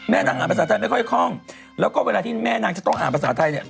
นางอ่านภาษาไทยไม่ค่อยคล่องแล้วก็เวลาที่แม่นางจะต้องอ่านภาษาไทยเนี่ย